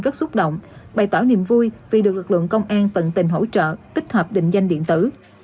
rất xúc động bày tỏ niềm vui vì được lực lượng công an tận tình hỗ trợ tích hợp định danh điện tử